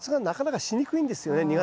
なかなかしにくいんですよね